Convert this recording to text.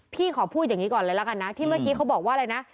พี่ขอพูดอย่างนี้ก่อนเลยละกันนะที่เมื่อกี้เขาบอกว่าอะไรนะ